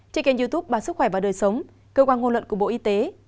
trên kênh youtube báo sức khỏe và đời sống cơ quan ngôn luận của bộ y tế